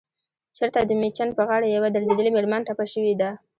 چرته دمیچن په غاړه يوه دردېدلې مېرمن ټپه شوې ده